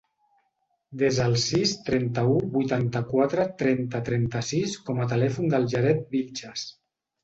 Desa el sis, trenta-u, vuitanta-quatre, trenta, trenta-sis com a telèfon del Jared Vilches.